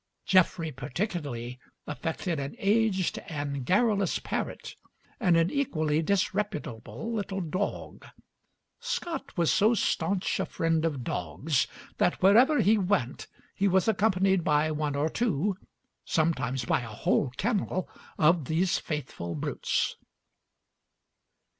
Jeffrey particularly affected an aged and garrulous parrot and an equally disreputable little dog. Scott was so stanch a friend of dogs that wherever he went he was accompanied by one or two sometimes by a whole kennel of these faithful brutes.